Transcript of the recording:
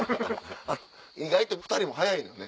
意外と２人も早いのね。